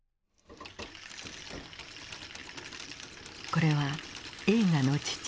これは映画の父